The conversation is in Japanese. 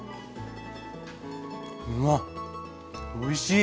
うわっおいしい！